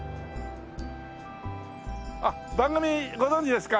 あっ番組ご存じですか？